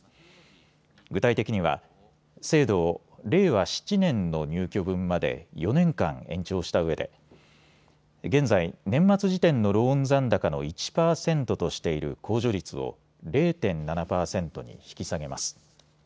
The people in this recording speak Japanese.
具体的には制度を令和７年の入居分まで４年間、延長したうえで現在、年末時点のローン残高の１％としている控除率を０．７％に引き下げます。